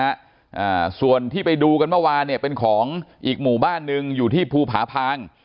อ่าส่วนที่ไปดูกันเมื่อวานเนี่ยเป็นของอีกหมู่บ้านหนึ่งอยู่ที่ภูผาพาง